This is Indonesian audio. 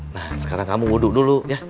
nah sekarang kamu wudhu dulu ya